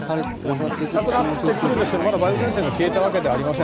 なくなってくるんですがまだ梅雨前線が消えたわけではありません。